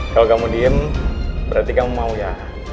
kalau kamu diem berarti kamu mau ya